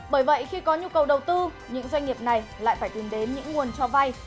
bởi vậy khi có nhu cầu đầu tư những doanh nghiệp này lại phải tìm đến những nguồn cho vay